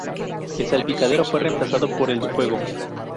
El salpicadero fue reemplazado por el del Fuego.